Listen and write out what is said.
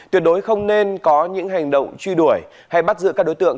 tuyệt đối không nên có những hành động truy đuổi hay bắt giữ các đối tượng